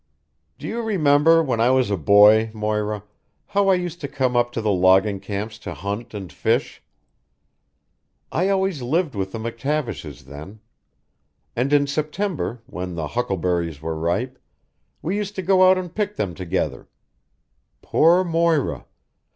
"Do you remember when I was a boy, Moira, how I used to come up to the logging camps to hunt and fish? I always lived with the McTavishes then. And in September, when the huckleberries were ripe, we used to go out and pick them together. Poor Moira!